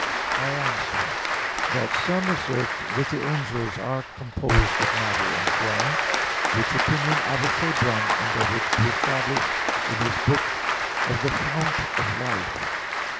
I answer that, Some assert that the angels are composed of matter and form; which opinion Avicebron endeavored to establish in his book of the _Fount of Life.